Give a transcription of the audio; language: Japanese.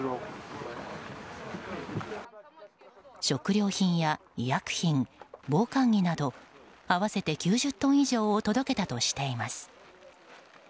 食料品や医薬品、防寒着など合わせて９０トン以上を届けたとしています。